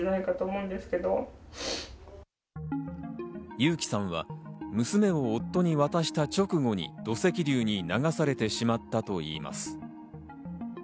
友紀さんは娘を夫に渡した直後に土石流に流されてしまったといいます。